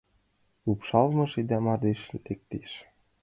Лупшалмыж еда мардеж лектеш.